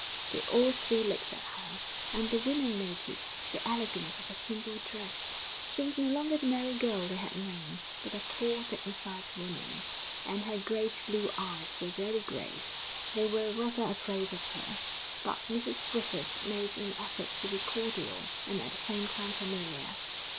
They all three looked at her, and the women noticed the elegance of her simple dress. She was no longer the merry girl they had known, but a tall, dignified woman, and her great blue eyes were very grave. They were rather afraid of her; but Mrs Griffith made an effort to be cordial and at the same time familiar.